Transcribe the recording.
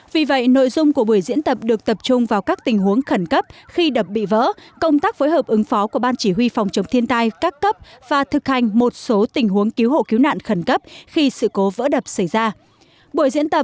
vì vậy nội dung của buổi diễn tập được tập trung vào các tình huống khẩn cấp khi đập bị vỡ công tác phối hợp ứng phó của ban chỉ huy phòng chống thiên tai các cấp và thực hành một số tình huống cứu hộ cứu nạn khẩn cấp khi sự cố vỡ đập xảy ra